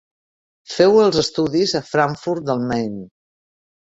Feu els estudis a Frankfurt del Main.